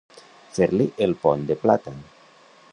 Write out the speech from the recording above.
Fer-li el pont de plata.